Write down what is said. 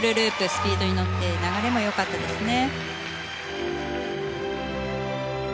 スピードに乗って流れも良かったですね。